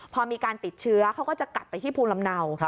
พอมีการติดเชื้อเขาก็จะกลับไปที่ภูมิลำเนา